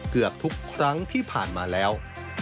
เกือบทุกครั้งที่ผ่านมาแล้ว